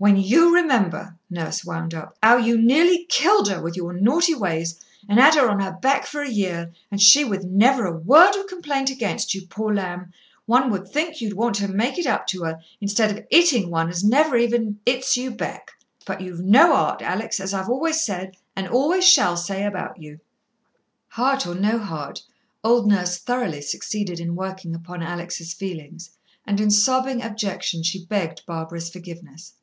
"When you remember," Nurse wound up, "how you nearly killed her with your naughty ways and had her on her back for a year, and she with never a word of complaint against you, poor lamb, one would think you'd want to make it up to her, instead of hitting one as never even hits you back. But you've no heart, Alex, as I've always said and always shall say about you." Heart or no heart, old Nurse thoroughly succeeded in working upon Alex' feelings, and in sobbing abjection she begged Barbara's forgiveness.